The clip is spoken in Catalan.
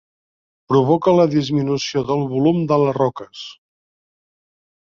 Provoca la disminució del volum de les roques.